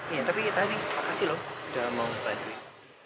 iya tapi tadi makasih loh udah mau bantuin